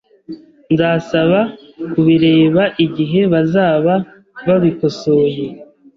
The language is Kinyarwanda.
Nzasaba kubireba igihe bazaba babikosoye.